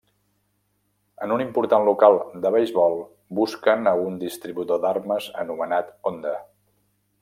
En un important local de beisbol busquen a un distribuïdor d’armes anomenat Honda.